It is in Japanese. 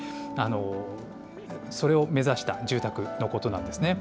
それを目指した住宅のことなんですね。